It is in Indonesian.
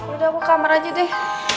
udah aku kamar aja deh